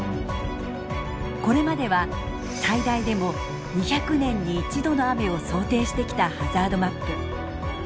これまでは最大でも２００年に１度の雨を想定してきたハザードマップ。